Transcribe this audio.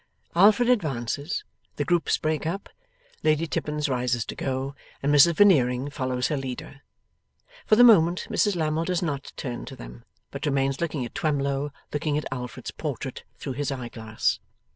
Alfred advances. The groups break up. Lady Tippins rises to go, and Mrs Veneering follows her leader. For the moment, Mrs Lammle does not turn to them, but remains looking at Twemlow looking at Alfred's portrait through his eyeglass.